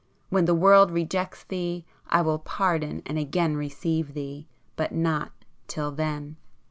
When the world rejects thee, I will pardon and again receive thee,—but not till then.